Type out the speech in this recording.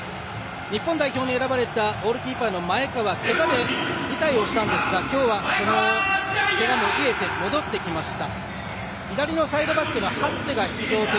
日本代表に選ばれたゴールキーパー・前川けがで辞退をしたんですが今日はけがも癒えて戻ってきました。